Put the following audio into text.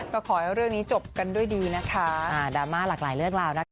ก็ขอให้เรื่องนี้จบกันด้วยดีนะคะอ่าดราม่าหลากหลายเรื่องราวนะคะ